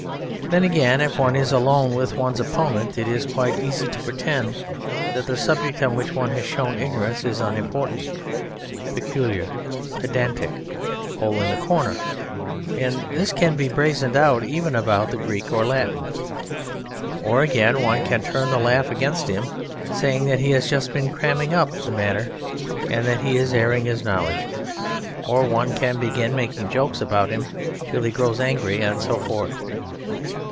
Then, again, if one is alone with one's opponent, it is quite easy to pretend that the subject on which one has shown ignorance is unimportant, peculiar, pedantic, hole in the corner, and this can be brazened out even about Greek or Latin. Or, again, one can turn the laugh against him, saying that he has just been cramming up the matter, and that he is airing his knowledge; or one can begin making jokes about him till he grows angry, and so forth.